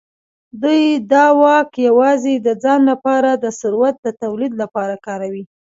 دوی دا واک یوازې د ځان لپاره د ثروت د تولید لپاره کاروي.